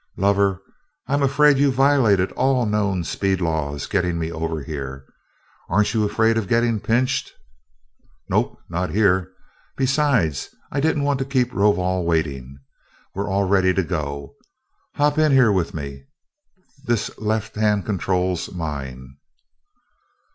"Lover, I'm afraid you violated all known speed laws getting me over here. Aren't you afraid of getting pinched?" "Nope not here. Besides, I didn't want to keep Rovol waiting we're all ready to go. Hop in here with me, this left hand control's mine."